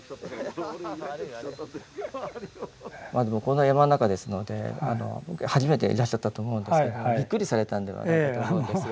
まずもうこんな山の中ですので初めていらっしゃったと思うんですけどびっくりされたんではないかと思うんですが。